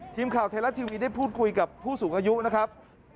ทีมข่าวไทยรัฐทีวีได้พูดคุยกับผู้สูงอายุนะครับ